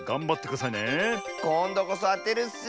こんどこそあてるッス！